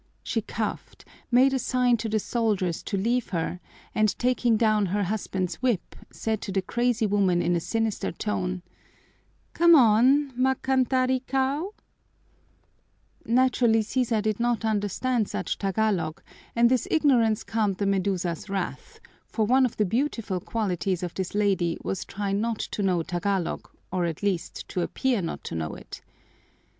She coughed, made a sign to the soldiers to leave her, and taking down her husband's whip, said to the crazy woman in a sinister tone, "Come on, magcantar icau!" Naturally, Sisa did not understand such Tagalog, and this ignorance calmed the Medusa's wrath, for one of the beautiful qualities of this lady was to try not to know Tagalog, or at least to appear not to know it.